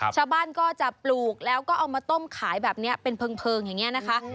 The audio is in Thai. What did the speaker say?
ชาวบ้านก็จะปลูกแล้วก็เอามาต้มขายแบบนี้เป็นเพลิงอย่างนี้นะคะ